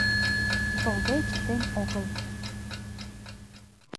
Толде чытен огыл.